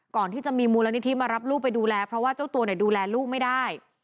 ก่อนที่จะมีมูลนิธิมารับลูกไปดูแลเพราะว่าเจ้าตัวเนี่ยดูแลลูกไม่ได้